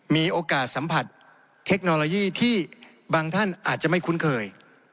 มีโอกาสสัมผัสเทคโนโลยีที่บางท่านอาจจะไม่คุ้นเคย